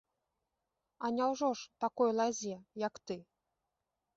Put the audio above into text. А няўжо ж такой лазе, як ты?